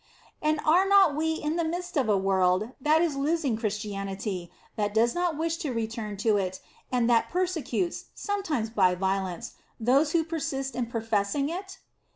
And are not we in the midst of a world that is losing Christianity, that does not wish to return to it, and that persecutes, sometimes by violence, those who persist in professing it?